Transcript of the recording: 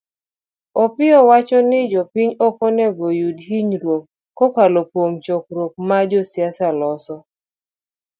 Opiyio wacho ni jopiny ok onego oyud hinyruok kokalo kuom chokruok ma josiasa loso.